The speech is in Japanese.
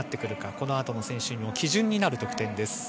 この後と選手の基準になる得点です。